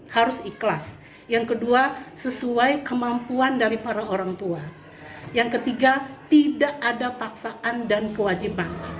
harus ikhlas yang kedua sesuai kemampuan dari para orang tua yang ketiga tidak ada paksaan dan kewajiban